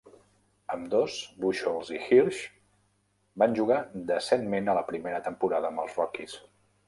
Ambdós Buchholz i Hirsh van jugar decentment a la primera temporada amb els Rockies.